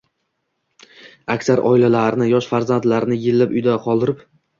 aksar oilalarini, yosh farzandlarini yillab uyda qoldirib